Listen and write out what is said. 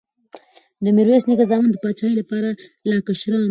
د میرویس نیکه زامن د پاچاهۍ لپاره لا کشران وو.